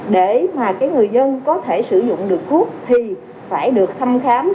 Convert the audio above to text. để mà người dân có thể sử dụng được thuốc thì phải được thăm khám